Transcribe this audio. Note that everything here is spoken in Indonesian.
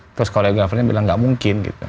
terus koreografernya bilang gak mungkin gitu